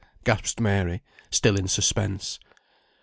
gasped Mary, still in suspense.